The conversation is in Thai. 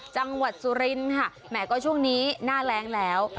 จังหวัดสุรินค่ะแหมก็ช่วงนี้หน้าแรงแล้ว